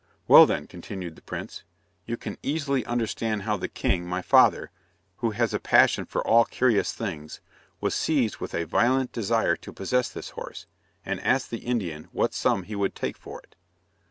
"Well then," continued the prince, "you can easily understand how the King my father, who has a passion for all curious things, was seized with a violent desire to possess this horse, and asked the Indian what sum he would take for it.